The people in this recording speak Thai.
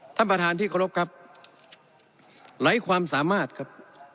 ท่านประธานที่เคารพครับไหลความสามารถครับ